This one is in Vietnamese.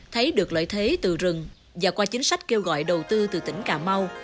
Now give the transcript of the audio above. thấy được lợi thế từ rừng và qua chính sách kêu gọi đầu tư từ tỉnh cà mau